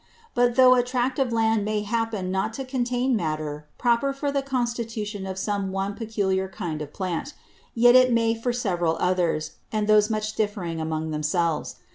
But though a Tract of Land may happen not to contain Matter proper for the Constitution of some one peculiar kind of Plant; yet it may for several others, and those much differing among themselves.